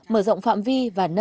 mở rộng phạm vi và nâng cao